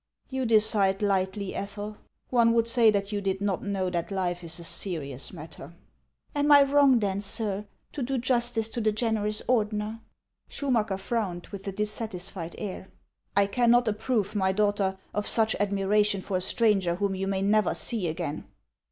"You decide lightly, Ethel. One would say that you did not know that life is a serious matter." " Am I wrong then, sir, to do justice to the generous Ordener ?" Schumacker frowned, with a dissatisfied air. 260 HANS OF ICELAND. " I cannot approve, my daughter, of such admiration for a stranger whom you may never see again."